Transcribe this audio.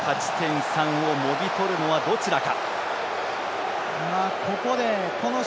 一気に勝ち点３をもぎ取るのはどちらか。